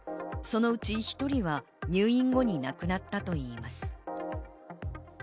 そのうち１人は入院後に亡くなったといいます。